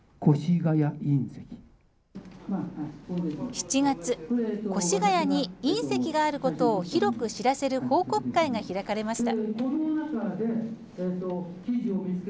７月越谷に隕石があることを広く知らせる報告会が開かれました。